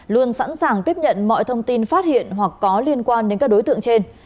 luôn sẵn sàng tiếp nhận mọi thông tin phát hiện hoặc có liên quan đến các đối tượng trên